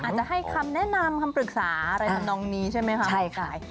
อาจจะให้คำแนะนำคำปรึกษาอะไรทำนองนี้ใช่ไหมคะ